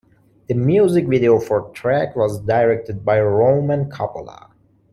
The music video for the track was directed by Roman Coppola.